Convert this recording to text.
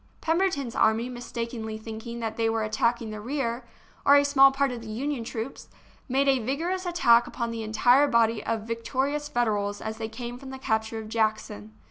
Pemberton's army, mistakenly thinking that they were attacking the rear, or a small part of the Union troops, made a vigorous attack upon the entire body of victorious Federals as they came from the capture of Jackson.